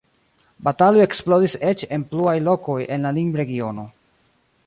Bataloj eksplodis eĉ en pluaj lokoj en la limregiono.